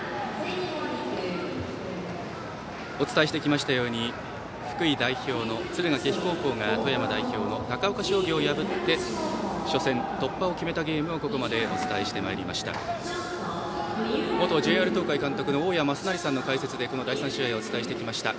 お伝えしてきましたように福井代表の敦賀気比高校が富山代表の高岡商業を破って初戦突破を決めたゲームをここまでお伝えしてまいりました。